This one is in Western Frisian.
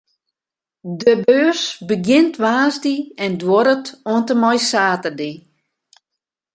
De beurs begjint woansdei en duorret oant en mei saterdei.